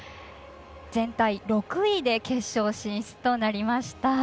全体６位で決勝進出となりました。